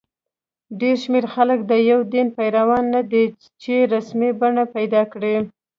ډېر شمېر خلک د یو دین پیروان نه دي چې رسمي بڼه پیدا کړي.